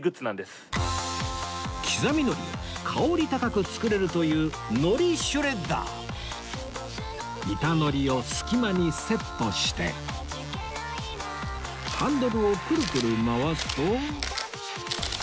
刻みのりを香り高く作れるという板のりを隙間にセットしてハンドルをクルクル回すと